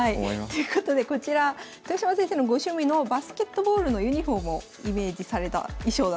ということでこちら豊島先生のご趣味のバスケットボールのユニフォームをイメージされた衣装だということで。